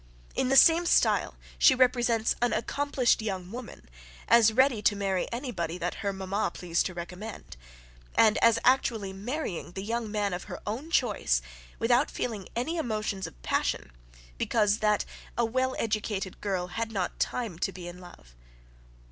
In the same style she represents an accomplished young woman, as ready to marry any body that her MAMMA pleased to recommend; and, as actually marrying the young man of her own choice, without feeling any emotions of passion, because that a well educated girl had not time to be in love.